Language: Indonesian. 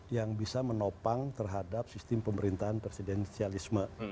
yang bisa menopang terhadap sistem pemerintahan presidensialisme